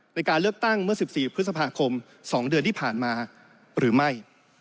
ในการเลือกตั้งเมื่อ๑๔พฤษภาคม๒เดือนที่ผ่านมาหรือไม่